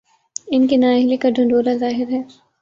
ان کی نااہلی کا ڈھنڈورا ظاہر ہے۔